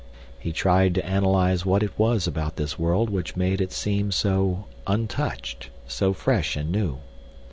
He tried to analyze what it was about this world which made it seem so untouched, so fresh and new.